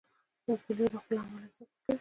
پیلوټ د خپلو عملو حساب ورکوي.